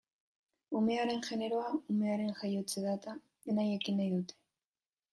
Umearen generoa, umearen jaiotze data, dena jakin nahi dute.